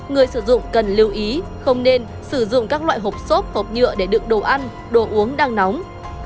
người sử dụng cần lưu ý không nên sử dụng các loại hộp xốp hộp nhựa để đựng đồ ăn đồ uống đang nóng